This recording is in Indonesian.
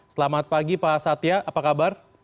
selamat pagi pak satya apa kabar